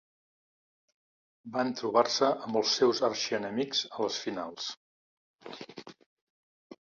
Van trobar-se amb els seus arxienemics a les finals.